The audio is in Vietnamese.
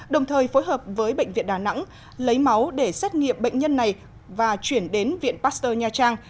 đồng thời phối hợp với bệnh viện đà nẵng lấy máu để xét nghiệm bệnh nhân này và chuyển đến viện pasteur nha trang